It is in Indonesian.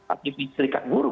aktivis serikat buru